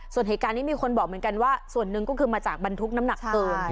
ส่วนเหตุการณ์นี้มีคนบอกเหมือนกันว่าส่วนหนึ่งก็คือมาจากบรรทุกน้ำหนักเกิน